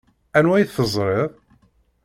Anwa i teẓṛiḍ?